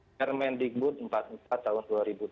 permendikbud empat puluh empat tahun dua ribu dua puluh